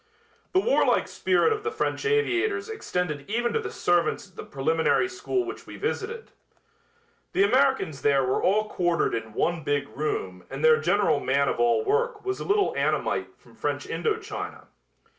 The warlike spirit of the French aviators extended even to the servants at the preliminary school which we visited. The Americans there were all quartered in one big room and their general man of all work was a little Annamite from French Indo China.